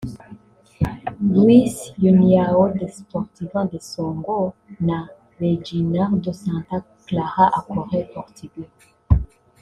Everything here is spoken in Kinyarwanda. Luís (União Desportiva de Songo) na Reginaldo (Santa Clara Açores - Portugal)